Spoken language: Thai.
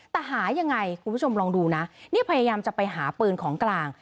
แต่หายังไงคุณผู้ชมลองดูนะนี่พยายามจะไปหาปืนของกลาง